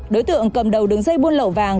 đối tượng cầm đầu đường dây buôn lậu vàng